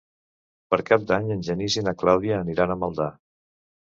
Per Cap d'Any en Genís i na Clàudia aniran a Maldà.